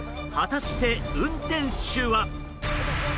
果たして運転手は。